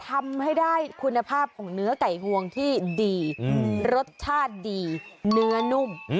ทำให้ได้คุณภาพของเนื้อไก่ห่วงที่ดีรสชาติดีเนื้อนุ่ม